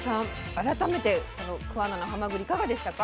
改めてこの桑名のはまぐりいかがでしたか？